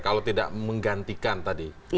kalau tidak menggantikan tadi